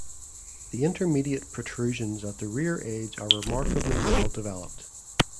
The intermediate protrusions at the rear edge are remarkably well developed.